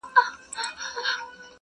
ډېر پخوا په ډېرو لیري زمانو کي-